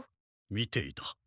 見ていた。